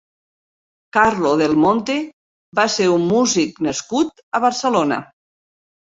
Carlo Del Monte va ser un músic nascut a Barcelona.